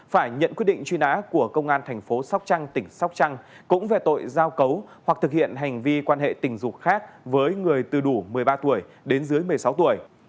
phải nhận quyết định truy nã của công an thành phố sóc trăng tỉnh sóc trăng cũng về tội giao cấu hoặc thực hiện hành vi quan hệ tình dục khác với người từ đủ một mươi ba tuổi đến dưới một mươi sáu tuổi